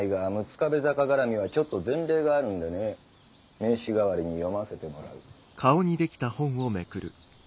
壁坂がらみはちょっと前例があるんでね名刺代わりに読ませてもらう。